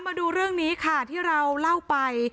มาดูเรื่องนี้ค่ะที่เราเล่าไป